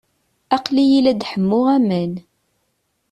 Aqli-iyi la d-ḥemmuɣ aman.